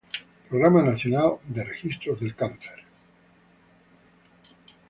Programa Nacional de Registros del Cáncer